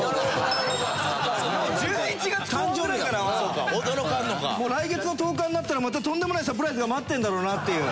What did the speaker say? １１月後半ぐらいからは来月の１０日になったらまたとんでもないサプライズが待ってるんだろうなっていう。